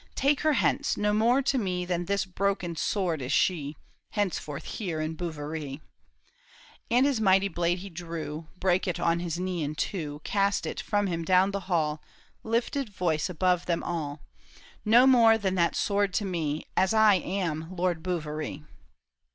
Take her hence ; no more to me Than this broken sword is she, 23 24 THE TOWER OF BOUVERIE. Henceforth here m Bouverie." And his mighty blade he drew, Brake it on his knee in two, Cast it from him down the hall, Lifted voice above them all, '' No more than that sword to me, As I am Lord Bouverie